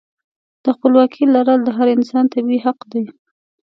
د خپلواکۍ لرل د هر انسان طبیعي حق دی.